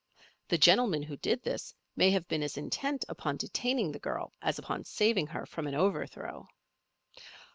The gentleman who did this may have been as intent upon detaining the girl as upon saving her from an overthrow.